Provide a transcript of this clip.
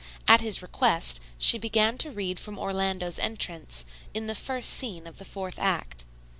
At his request, she began to read from Orlando's entrance, in the first scene of the fourth act.